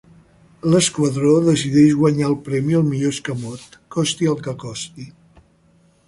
L'esquadró decideix guanyar el premi al millor escamot costi el que costi.